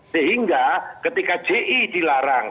sehingga ketika gi dilarang